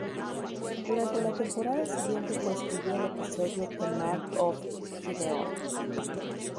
Durante la temporada siguiente co-escribió el episodio "The Mark of Gideon".